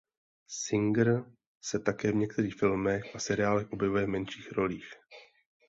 Singer se také v některých filmech a seriálech objevuje v menších rolích.